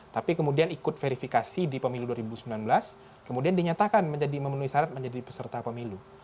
tapi kemudian ikut verifikasi di pemilu dua ribu sembilan belas kemudian dinyatakan memenuhi syarat menjadi peserta pemilu